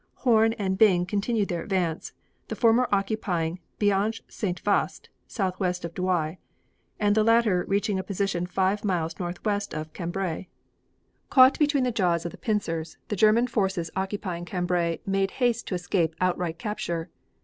Horne and Byng continued their advance, the former occupying Biache St. Vaast southwest of Douai, and the latter reaching a position five miles northwest of Cambrai. Caught between the jaws of the pincers, the German forces occupying Cambrai made haste to escape outright capture.